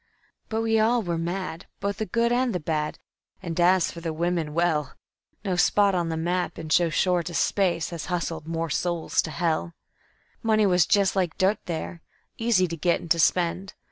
But we all were mad, both the good and the bad, and as for the women, well No spot on the map in so short a space has hustled more souls to hell. "Money was just like dirt there, easy to get and to spend.